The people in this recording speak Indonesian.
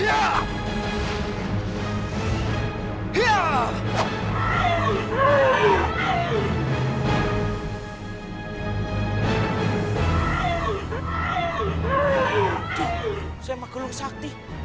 aduh saya magelung sakti